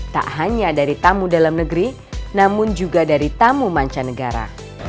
tak hanya dari tamu dalam negeri namun juga dari tamu mancanegara